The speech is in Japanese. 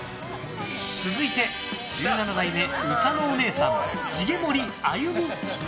続いて、１７代目歌のおねえさん茂森あゆみ。